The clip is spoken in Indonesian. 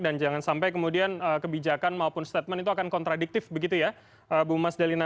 dan jangan sampai kemudian kebijakan maupun statement itu akan kontradiktif begitu ya bu mas delina